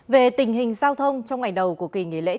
về tình hình giao thông trong ngày đầu của kỳ nghỉ lễ